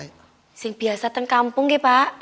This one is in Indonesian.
yang biasa di kampung ya pak